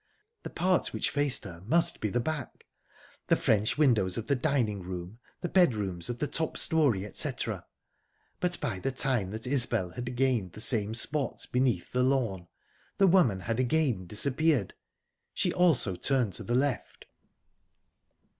The part which faced her must be the back the French windows of the dining room, the bedrooms of the top storey, etc...But by the time that Isbel had gained the same spot, beneath the lawn, the woman had again disappeared. She also turned to the left.